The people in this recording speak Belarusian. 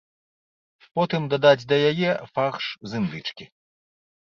Потым дадаць да яе фарш з індычкі.